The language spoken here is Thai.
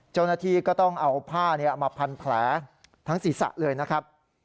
เจ้าหน้าที่ก็ต้องเอาผ้ามาพันแผลทั้งศีรษะเลยนะครับ